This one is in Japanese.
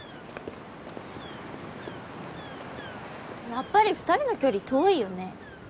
やっぱり２人の距離遠いよね。